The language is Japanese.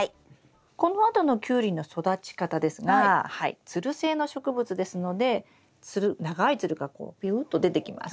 このあとのキュウリの育ち方ですがつる性の植物ですのでつる長いつるがこうビューッと出てきます。